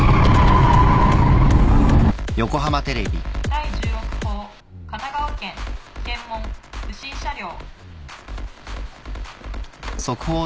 第１６報神奈川県検問不審車両。